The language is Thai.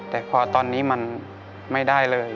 แต่พอตอนนี้มันไม่ได้เลย